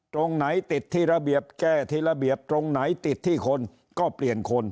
ตรงไหนติดที่ระเบียบแก้ที่ระเบียบตรงไหนติดที่คนก็เปลี่ยนคน